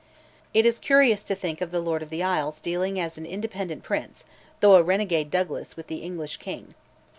It is curious to think of the Lord of the Isles dealing as an independent prince, through a renegade Douglas, with the English king.